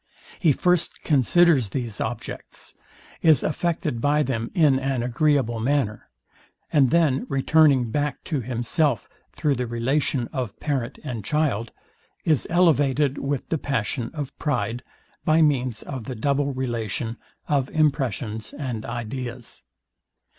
He first considers these objects; is affected by them in an agreeable manner; and then returning back to himself, through the relation of parent and child, is elevated with the passion of pride, by means of the double relation, of impressions and ideas.